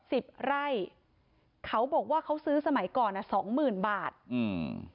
สิบไร่เขาบอกว่าเขาซื้อสมัยก่อนอ่ะสองหมื่นบาทอืม